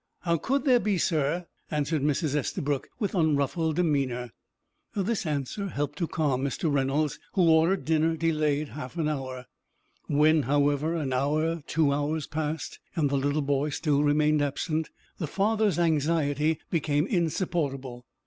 "How could there be here, sir?" answered Mrs. Estabrook, with unruffled demeanor. This answer helped to calm Mr. Reynolds, who ordered dinner delayed half an hour. When, however, an hour two hours passed, and the little boy still remained absent, the father's anxiety became insupportable.